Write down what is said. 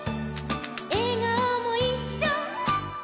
「えがおもいっしょ」